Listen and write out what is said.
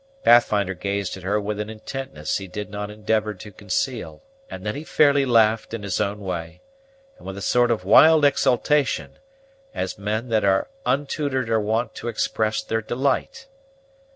Pathfinder gazed at her with an intentness he did not endeavor to conceal, and then he fairly laughed in his own way, and with a sort of wild exultation, as men that are untutored are wont to express their delight.